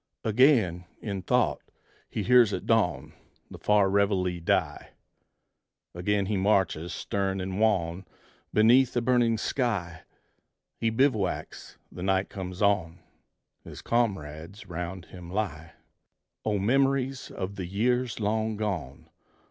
Again, in thought, he hears at dawn The far reveille die; Again he marches stern and wan Beneath a burning sky: He bivouacs; the night comes on; His comrades 'round him lie O memories of the years long gone!